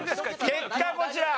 結果こちら。